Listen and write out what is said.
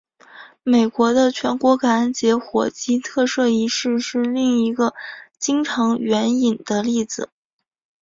美国的全国感恩节火鸡特赦仪式是另一个经常援引的例子。